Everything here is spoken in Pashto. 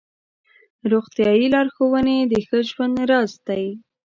روغتیایي لارښوونې د ښه ژوند راز دی.